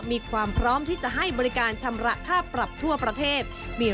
มีความพร้อมที่จะให้บริการชำระค่าปรับทั่วประเทศ